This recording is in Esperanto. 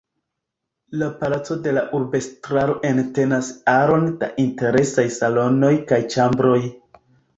La palaco de la urbestraro entenas aron da interesaj salonoj kaj ĉambroj.